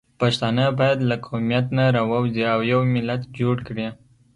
پښتانه باید له قومیت نه راووځي او یو ملت جوړ کړي